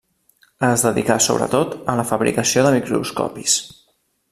Es dedicà sobretot a la fabricació de microscopis.